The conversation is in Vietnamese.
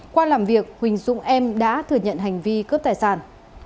qua làm việc huỳnh dũng em đã thừa nhận hành vi cướp tài sản